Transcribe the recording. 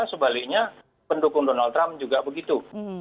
sebaliknya pendukung donald trump juga begitu